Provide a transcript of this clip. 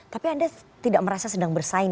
tapi anda tidak merasa sedang bersaing